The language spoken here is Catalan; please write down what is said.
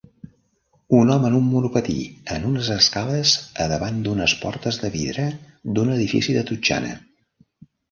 Un home en un monopatí en unes escales a davant d'unes portes de vidre d'un edifici de totxana.